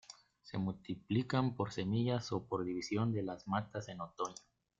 Se multiplican por semillas o por división de las matas en otoño.